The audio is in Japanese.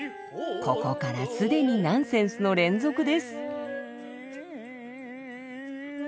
ここから既にナンセンスの連続です。